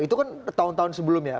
itu kan tahun tahun sebelumnya